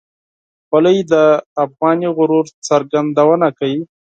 خولۍ د افغاني غرور څرګندونه کوي.